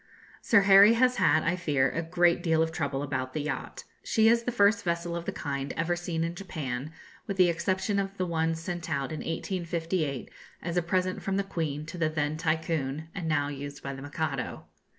Sir Harry has had, I fear, a great deal of trouble about the yacht. She is the first vessel of the kind ever seen in Japan, with the exception of the one sent out in 1858 as a present from the Queen to the then Tycoon, and now used by the Mikado.